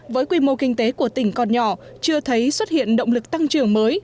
với quy mô kinh tế của tỉnh còn nhỏ chưa thấy xuất hiện động lực tăng trưởng mới